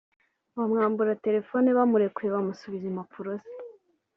bamwambura telefone bamurekuye bamusubiza impapuro ze